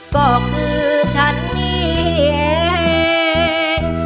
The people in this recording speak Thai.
ก็คือฉันเอง